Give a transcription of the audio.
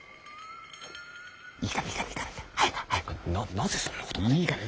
なぜそんなことまで。